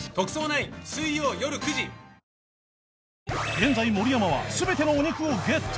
現在盛山は全てのお肉をゲット